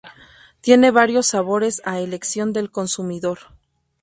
Tiene varios sabores a elección del consumidor.